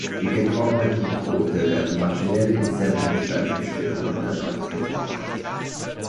Die getrockneten Brote werden maschinell in sehr dünne Scheiben geschnitten und erneut getrocknet.